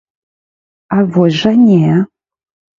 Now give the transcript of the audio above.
А вось жа не!